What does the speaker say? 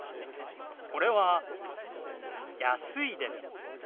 これは「安い」です。